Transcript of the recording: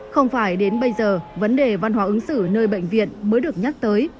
không phải đến bây giờ vấn đề văn hóa ứng xử nơi bệnh viện mới được nhắc tới